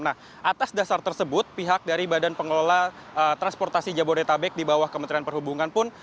nah atas dasar tersebut pihak dari badan pengelola transportasi jabodetabek di bawah kementerian perhubungan pun